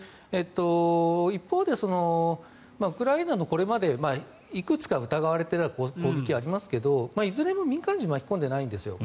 一方でウクライナのこれまでいくつか疑われていた攻撃がありますがいずれも民間人を巻き込んでないんですよ。